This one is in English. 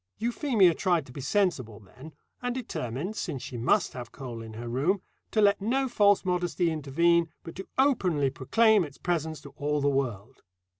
Euphemia tried to be sensible then, and determined, since she must have coal in her room, to let no false modesty intervene, but to openly proclaim its presence to all the world.